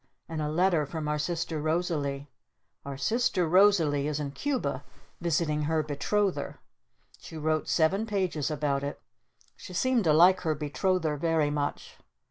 And a letter from our sister Rosalee. Our sister Rosalee is in Cuba visiting her Betrother. She wrote seven pages about it. She seemed to like her Betrother very much.